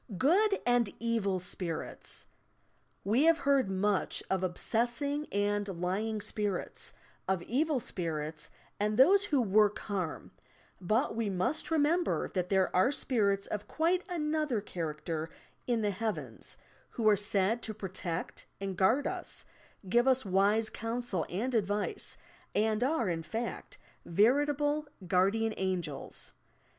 GOOD AND EVn, SPIRITS We have heard much of obsessing and lying spirits, of evil spirits and those who work harm, but we must remember that there are spirits of quite another char acter in the "Heavens," who are said to protect and guard UB, give us wise counsel and advice, and are, in fact, veritable "Guardian Angels."